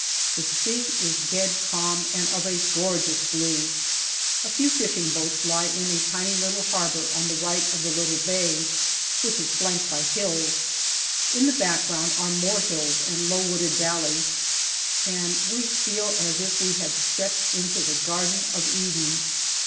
The sea is dead calm, and of a gorgeous blue. A few fishing boats lie in a tiny little harbour on the right of the little bay, which is flanked by hills. In the background are more hills and low wooded valleys, and we feel as if we had stepped into the Garden of Eden.